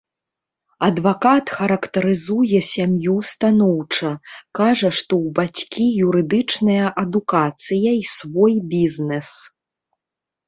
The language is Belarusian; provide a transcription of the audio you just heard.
Адвакат характарызуе сям'ю станоўча, кажа, што ў бацькі юрыдычная адукацыя і свой бізнэс.